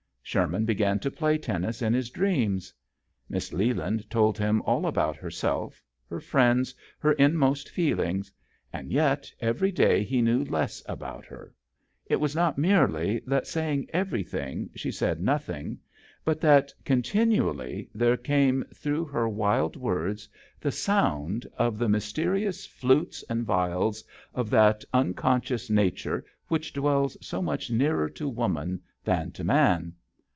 Sherman began to play tennis in his dreams. Miss Leland told him all about herself, her friends, her inmost feelings ; and yet every day he knew less about her. It was not merely that saying everything she said nothing, but that con tinually there came through her wild words the sound of the mys 62 JOHN SHERMAN. terious flutes and viols of that unconscious nature which dwells so much nearer to woman than to man.